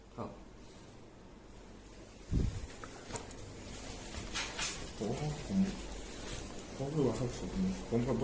ครับ